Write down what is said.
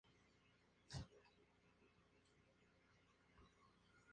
Otras referencias presentan cifras algo diferentes.